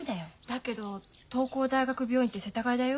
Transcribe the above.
だけど東光大学病院って世田谷だよ？